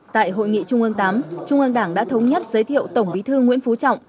tại hội nghị trung ương viii trung ương đảng đã thống nhất giới thiệu tổng bí thư nguyễn phú trọng